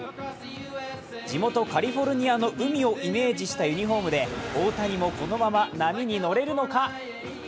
地元カリフォルニアの海をイメージしたユニフォームで大谷もこのまま、波に乗れるのか？